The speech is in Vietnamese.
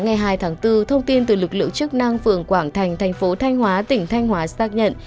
ngày hai tháng bốn thông tin từ lực lượng chức năng phường quảng thành thành phố thanh hóa tỉnh thanh hóa xác nhận